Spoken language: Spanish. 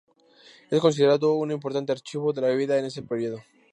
Es considerado un importante archivo de la vida en ese período.